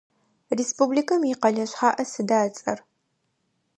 Республикэм икъэлэ шъхьаӏэ сыда ыцӏэр?